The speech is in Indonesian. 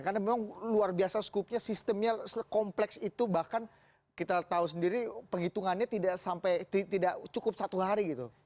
karena memang luar biasa skupnya sistemnya kompleks itu bahkan kita tahu sendiri penghitungannya tidak sampai tidak cukup satu hari gitu